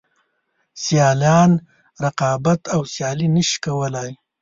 سیالان رقابت او سیالي نشي کولای.